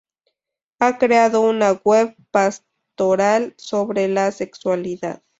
Ha creado una web pastoral sobre la sexualidad.